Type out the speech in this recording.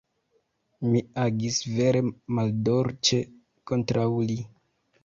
Mi agis vere maldolĉe kontraŭ li.